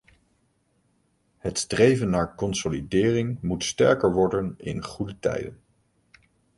Het streven naar consolidering moet sterker worden in goede tijden.